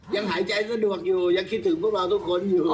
ยังหายใจสะดวกอยู่ยังคิดถึงพวกเราทุกคนอยู่